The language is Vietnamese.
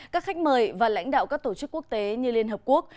các khách mời và lãnh đạo các tổ chức quốc tế như liên hợp quốc